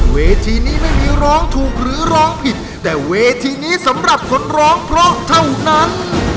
เวทีนี้ไม่มีร้องถูกหรือร้องผิดแต่เวทีนี้สำหรับคนร้องเพราะเท่านั้น